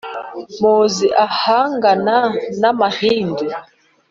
Muzi ahangana n'amahindu